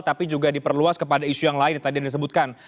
tapi juga diperluas kepada isu yang lain yang tadi disebutkan